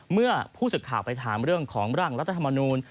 เมื่อผู้สึกข่าวไปถามเรื่องของร่างรัฐธรรมนูล